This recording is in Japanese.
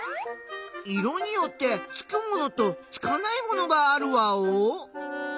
色によってつくものとつかないものがあるワオ？